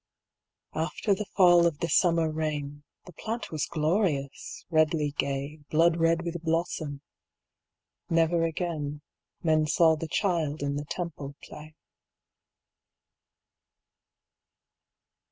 After the fall of the summer rain The plant was glorious, redly gay. Blood red with blossom. Never again Men saw the child in the Temple play.